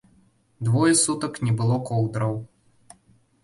Двое сутак не было коўдраў.